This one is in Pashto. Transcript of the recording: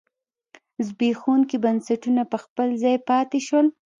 زبېښونکي بنسټونه په خپل ځای پاتې شول.